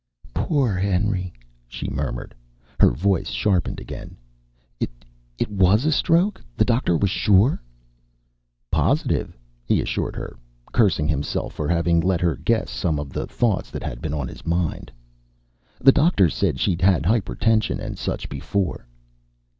"Poor Henry," she murmured. Her voice sharpened again. "It was a stroke? The doctor was sure?" "Positive," he assured her, cursing himself for having let her guess some of the thoughts that had been on his mind. "The doctor said she'd had hypertension and such before."